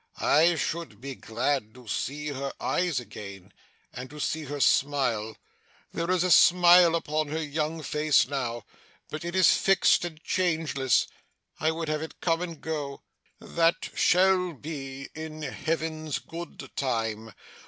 I should be glad to see her eyes again, and to see her smile. There is a smile upon her young face now, but it is fixed and changeless. I would have it come and go. That shall be in Heaven's good time.